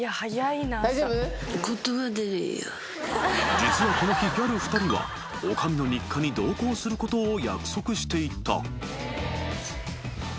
［実はこの日ギャル２人は女将の日課に同行することを約束していた］